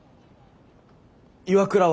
岩倉は？